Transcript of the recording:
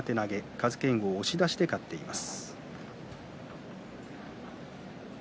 風賢央が押し出しで勝っています。